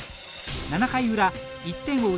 ７回裏１点を追う